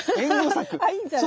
あいいんじゃない？